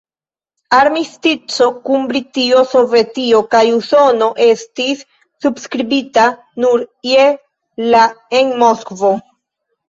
Armistico kun Britio, Sovetio kaj Usono estis subskribita nur je la en Moskvo.